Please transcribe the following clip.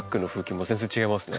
また全然違いますね。